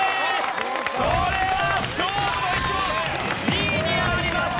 これは勝負の１問２位に上がります！